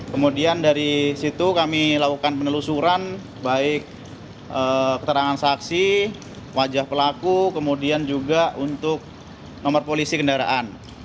kemudian dari situ kami lakukan penelusuran baik keterangan saksi wajah pelaku kemudian juga untuk nomor polisi kendaraan